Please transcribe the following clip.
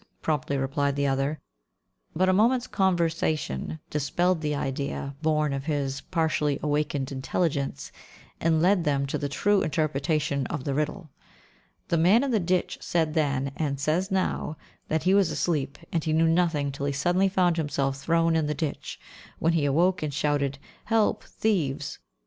promptly replied the other, but a moment's conversation dispelled the idea born of his partially awakened intelligence, and led them to the true interpretation of the riddle. The man in the ditch said then, and says now, that he was asleep, and knew nothing till he suddenly found himself thrown in the ditch, when he awoke and shouted, "Help, thieves!"